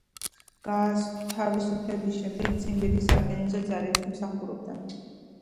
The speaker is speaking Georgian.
გათავისუფლების შემდეგ ციმბირის სარკინიგზო ძალებში მსახურობდა.